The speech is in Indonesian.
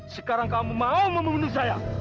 sekarang kamu mau membunuh saya